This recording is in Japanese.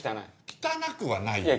汚くはないよ。